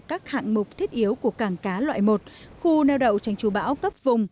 các hạng mục thiết yếu của cảng cá loại một khu neo đậu tránh chú bão cấp vùng